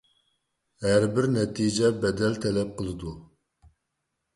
ھەربىر نەتىجە بەدەل تەلەپ قىلىدۇ.